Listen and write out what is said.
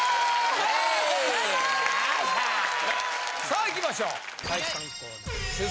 さあいきましょう